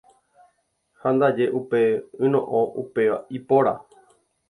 Ha ndaje upe yno'õ upéva ipóra.